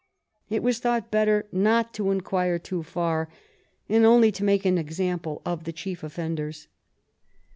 It was thought better not to inquire too far, and only to make an example of the chief offenders.